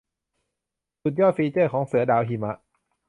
สุดยอดฟีเจอร์ของเสือดาวหิมะ